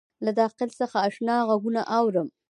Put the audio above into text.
له داخل څخه آشنا غــــــــــږونه اورم